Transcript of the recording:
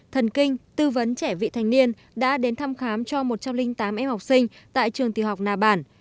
thần kinh tư vấn trẻ vị thành niên đã đến thăm khám cho một trăm linh tám em học sinh tại trường tiểu học nà bản